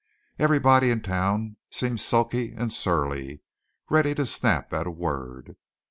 Everybody in town seemed sulky and surly, ready to snap at a word.